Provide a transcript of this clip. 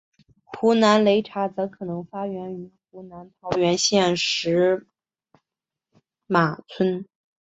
湖南擂茶则可能发源于湖南桃源县马石村。